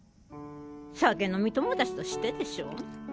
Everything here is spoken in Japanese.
酒飲み友達としてでしょ？